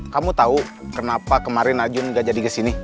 kamu tahu kenapa kemarin najun gak jadi kesini